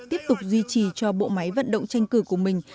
tiếp tục duy trì cho bộ máy vận động tranh cử của mình